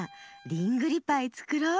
リングリパイつくろう。